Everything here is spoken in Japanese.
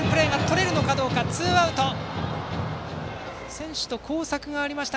選手の交錯がありました。